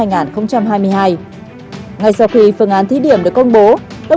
ngay sau khi phương án thí điểm được công bố